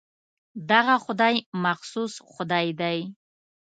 دغه خدای مخصوص خدای دی.